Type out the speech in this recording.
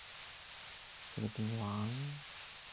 Many are mysteriously dying.